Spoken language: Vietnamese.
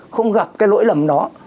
không gặp cái lỗi lầm đó